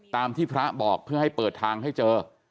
ตามที่พระบอกเพื่อให้เปิดทางให้เจอ